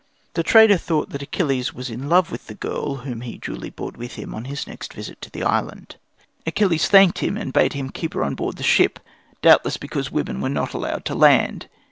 The trader thought that Achilles was in love with the girl, whom he duly brought with him on his next visit to the island. Achilles thanked him, and bade him keep her on board the ship, doubtless because women were not allowed to land.